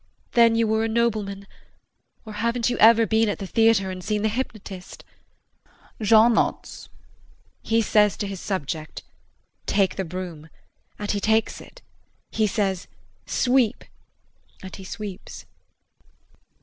Then you were a nobleman or haven't you ever been at the theatre and seen the hypnotist [Jean nods] He says to his subject "Take the broom," and he takes it; he says, "Sweep," and he sweeps.